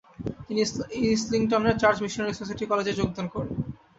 তিনি ইসলিংটনের church missionary society কলেজে যোগ দেন।